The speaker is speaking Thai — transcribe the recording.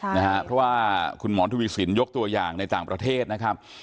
เพราะว่าคุณหมอทวีสินยกตัวอย่างในต่างประเทศนะครับ